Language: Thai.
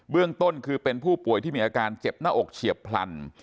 เรื่องต้นคือเป็นผู้ป่วยที่มีอาการเจ็บหน้าอกเฉียบพลัน